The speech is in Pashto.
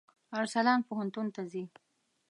ارسلان پوهنتون ته ځي.